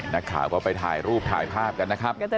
นักข่าวก็ไปถ่ายรูปถ่ายภาพกันนะครับ